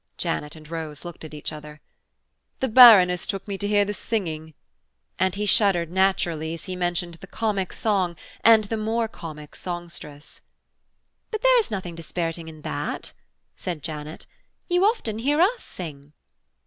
(Janet and Rose looked at each other.) "The Baroness took me to hear the singing," and he shuddered naturally as he mentioned the comic song and the more comic songstress. "But there is nothing dispiriting in that," said Janet; "you often hear us sing?"